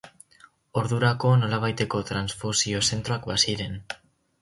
Ordurako nolabaiteko transfusio zentroak baziren.